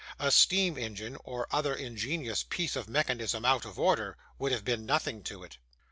A steam engine, or other ingenious piece of mechanism out of order, would have been nothing to it.